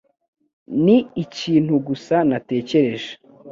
Ni ikintu gusa natekereje.